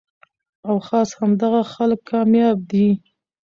او خاص همدغه خلک کامياب دي